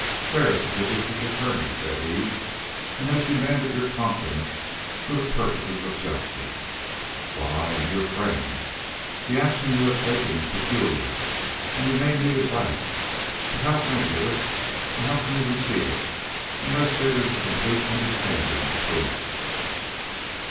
"Ferris is a District Attorney," said he, "and has demanded your confidence for the purposes of justice, while I am your friend. The action you have taken is peculiar, and you may need advice. But how can I give it or how can you receive it unless there is a complete understanding between us?"